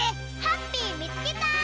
ハッピーみつけた！